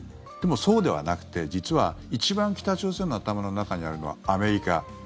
でも、そうではなくて実は一番、北朝鮮の頭の中にあるのはアメリカ。